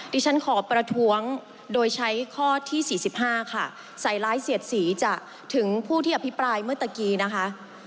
ที่ฉันขอประท้วงโดยใช้ข้อที่๔๕ค่ะใส่ร้ายเสียดสีจะถึงผู้ที่อภิปรายเมื่อตะกี้นะคะ